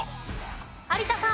有田さん。